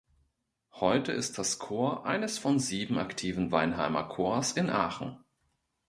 Heute ist das Corps eines von sieben aktiven Weinheimer Corps in Aachen.